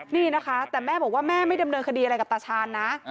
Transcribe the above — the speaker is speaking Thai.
นี่นะคะแต่แม่บอกว่าแม่ไม่ดำเนินคดีอะไรกับตาชาญนะ